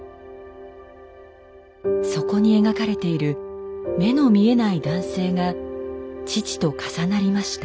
そこに描かれている目の見えない男性が父と重なりました。